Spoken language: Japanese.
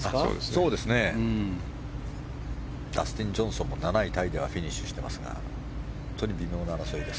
ダスティン・ジョンソンも７位タイでフィニッシュしていますが微妙な争いです。